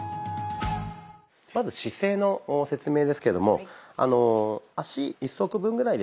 まず姿勢の説明ですけども足１足分ぐらいですね